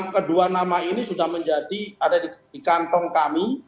kedua nama ini sudah menjadi ada di kantong kami